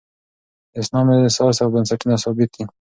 د اسلام اساس او بنسټونه ثابت دي.